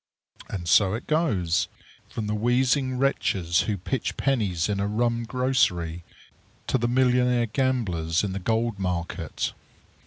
And so it goes, from the wheezing wretches who pitch pennies in a rum grocery, to the millionnaire gamblers in the gold market.